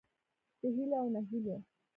د هیلو او نهیلیو